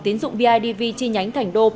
tiến dụng bidv chi nhánh thành đô